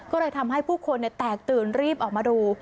ก็เลยทำให้ผู้คนแตกตื่นรีบออกมาดู